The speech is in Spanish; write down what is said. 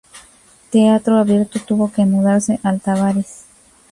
Teatro Abierto tuvo que mudarse al Tabarís.